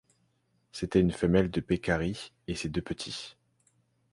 C’était une femelle de pécari et ses deux petits.